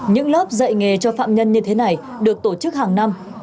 những lớp dạy nghề cho phạm nhân như thế này được tổ chức hàng năm